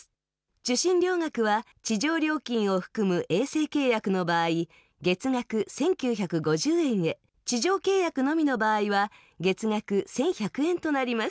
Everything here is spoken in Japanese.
受信料額は、地上料金を含む衛星契約の場合、月額１９５０円へ、地上契約のみの場合は、月額１１００円となります。